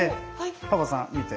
パパさん見て。